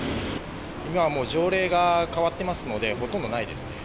今は条例が変わってますので、ほとんどないですね。